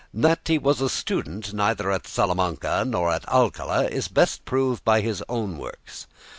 That he was a student neither at Salamanca nor at Alcala is best proved by his own works.